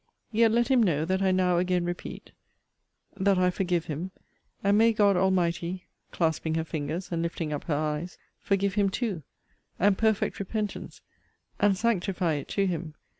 Yet let him know that I now again repeat, that I forgive him. And may God Almighty, clasping her fingers, and lifting up her eyes, forgive him too; and perfect repentance, and sanctify it to him!